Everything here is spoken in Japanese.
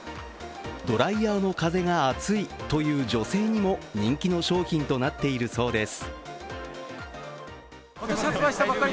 ドライヤーの風が熱いという女性にも人気の商品となっているそうです。